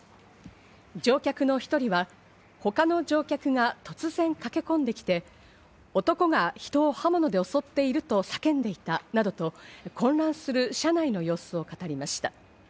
乗客の１人は他の乗客が突然駆け込んできて、男が人を刃物で襲っていると叫んでいたなどと混乱する車内の様子を語りました。